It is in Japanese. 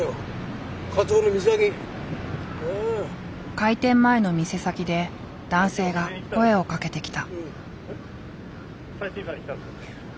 開店前の店先で男性が声をかけてきた。